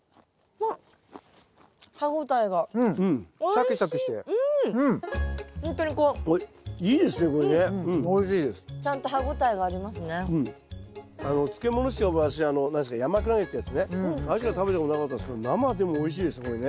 あれしか食べたことなかったですけど生でもおいしいですこれね。